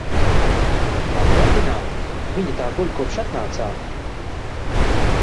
Pamodināt? Viņa tā guļ, kopš atnācām.